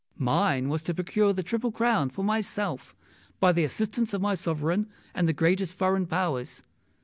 Mine was to procure the Triple Crown for myself by the assistance of my sovereign and of the greatest foreign Powers.